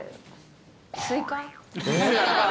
スイカ。